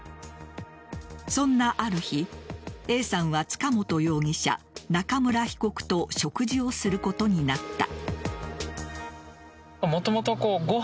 そんなある日Ａさんは塚本容疑者、中村被告と食事をすることになった。